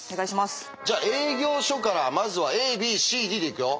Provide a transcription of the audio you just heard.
じゃあ営業所からまずはＡＢＣＤで行くよ。